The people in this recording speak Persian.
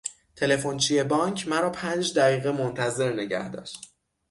تلفنچی بانک مرا پنج دقیقه منتظر نگهداشت.